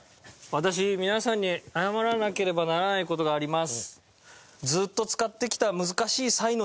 私皆さんに謝らなければならない事があります。